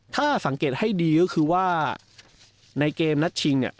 ถ้าสังเกตให้ดีก็คือว่าในเกมนัดชิงเนี่ย